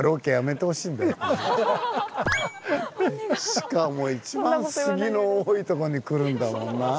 しかも一番杉の多いとこに来るんだもんなあ。